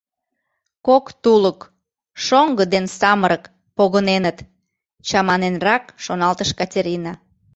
«Кок тулык — шоҥго ден самырык погыненыт», — чаманенрак шоналтыш Катерина.